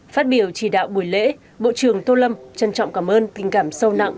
phát biểu chỉ đạo buổi lễ bộ trưởng tô lâm trân trọng cảm ơn tình cảm sâu nặng